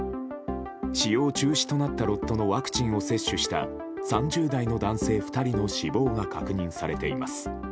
使用中止となったロットのワクチンを接種した３０代の男性２人の死亡が確認されています。